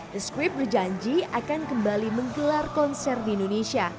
the script berjanji akan kembali menggelar konser di indonesia